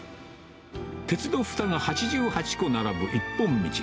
鉄のふたが８８個並ぶ一本道。